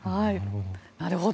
なるほど。